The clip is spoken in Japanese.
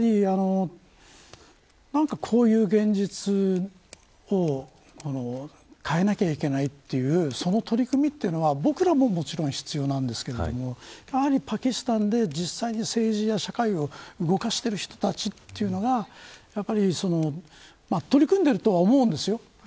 こういう現実を変えなくてはいけないという取り組みは僕らも必要なんですけどやはりパキスタンで実際に政治や社会を動かしている人たちというのが取り組んでいるとは思うんです。